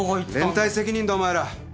連帯責任だお前ら。